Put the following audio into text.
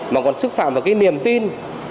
mà còn xúc phạm vào cái niềm tin